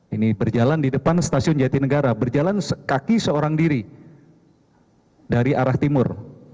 ini berjalan di depan stasiun jatinegara berjalan kaki seorang diri dari arah timur